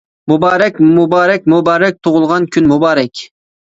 مۇبارەك مۇبارەك مۇبارەك، تۇغۇلغان كۈن مۇبارەك!